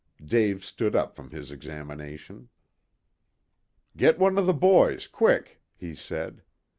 Dave stood up from his examination. "Get one of the boys, quick," he said.